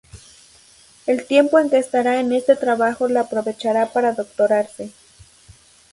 El tiempo en que estará en este trabajo la aprovechará para doctorarse.